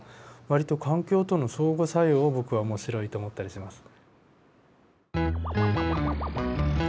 割と環境との相互作用を僕は面白いと思ったりします。